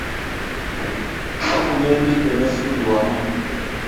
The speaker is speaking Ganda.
Bakunya embidde n'essubi wamu.